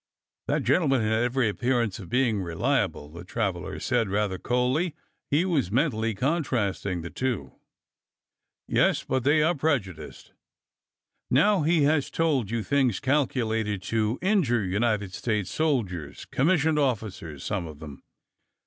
" That gentleman had every appearance of being re liable," the traveler said, rather coldly. He was mentally contrasting the two. Yes, — but they are prejudiced. Now, he has told you things calculated to injure United States soldiers— com missioned officers, some of them."